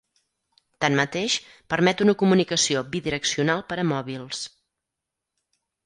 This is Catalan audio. Tanmateix, permet una comunicació bidireccional per a mòbils.